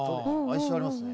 哀愁ありますね。